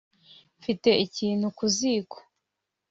mfite ikintu ku ziko